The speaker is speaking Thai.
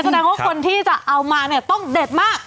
แสดงว่าคนที่จะเอามาเนี่ยต้องเด็ดมาก